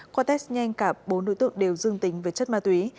qua test nhanh cả bốn đối tượng đều dương tính với chất ma túy